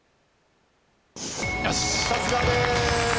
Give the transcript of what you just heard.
さすがです。